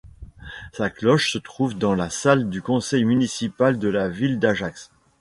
Sa cloche se trouve dans la salle du conseil municipal de la ville d'Ajax.